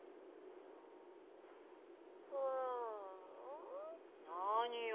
ああ。何よ？